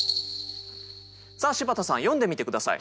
さあ柴田さん読んでみて下さい。